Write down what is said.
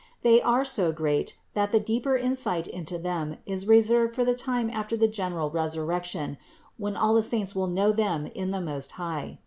They are so great, that the deeper insight into them is reserved for the time after the general resur rection, when all the saints will know them in the Most High.